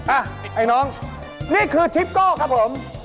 อ่ะไอ้น้องนี่คือทิปโก้ครับผม